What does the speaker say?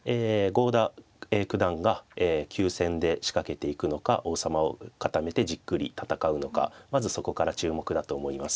郷田九段が急戦で仕掛けていくのか王様を固めてじっくり戦うのかまずそこから注目だと思います。